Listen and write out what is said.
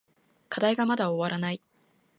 課題がまだ終わらない。